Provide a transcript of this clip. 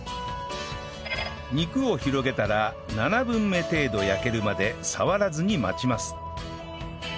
肉を広げたら７分目程度焼けるまで触らずに待ちます